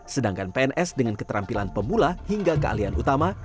sedangkan pns dengan keterampilan pemula hingga keahlian utama